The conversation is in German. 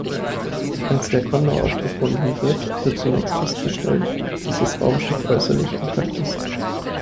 Als der "Kondor" aufgefunden wird, wird zunächst festgestellt, dass das Raumschiff äußerlich intakt ist.